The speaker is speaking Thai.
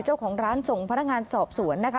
เจ้าของร้านส่งพนักงานสอบสวนนะคะ